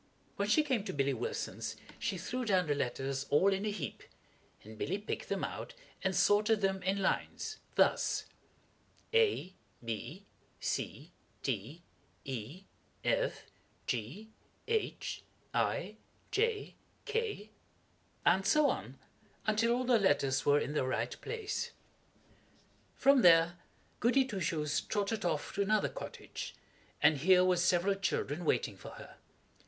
When she came to Billy Wilson's she threw down the letters all in a heap, and Billy picked them out and sorted them in lines, thus: A B C D E F G H I J K, a b c d e f g h i j k, and so on until all the letters were in their right places. From there Goody Two Shoes trotted off to another cottage, and here were several children waiting for her.